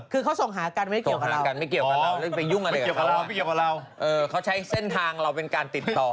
คือเขาส่งหาการไม่เกี่ยวกับเราอ๋อไม่เกี่ยวกับเราไม่เกี่ยวกับเราเขาใช้เส้นทางเราเป็นการติดต่อ